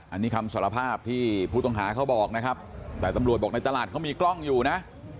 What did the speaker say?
อันนี้คำสารภาพที่ผู้ต้องหาเขาบอกนะครับแต่ตำรวจบอกในตลาดเขามีกล้องอยู่นะ